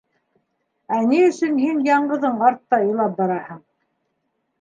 Ә ни өсөн һин яңғыҙың артта илап бараһың?